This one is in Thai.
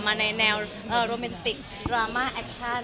มาในแนวโรแมนติกดราม่าแอคชั่น